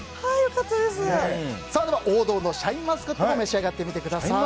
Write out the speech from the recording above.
王道のシャインマスカットも召し上がってみてください。